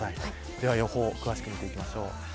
では予報詳しく見ていきましょう。